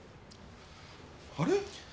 あれ？